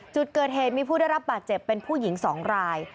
จุดเกิดเหตุมีผู้ได้รับบาดเจ็บเป็นผู้หญิง๒ราย